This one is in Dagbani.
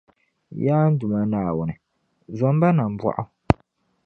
Yaa n Duuma Naawuni, zom ba nambɔɣu.